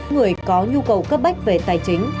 người có nhu cầu cấp bách về tài chính